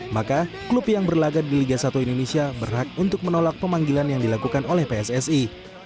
maka klub yang berlagak di liga satu indonesia berhak untuk menolak pemanggilan yang dilakukan oleh pssi